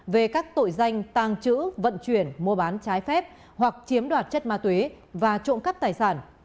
về các tội danh tàng trữ vận chuyển mua bán trái phép hoặc chiếm đoạt chất ma túy và trộm cắp tài sản